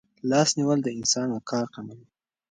لاس نیول د انسان وقار کموي.